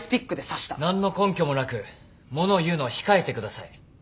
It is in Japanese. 何の根拠もなく物を言うのは控えてください。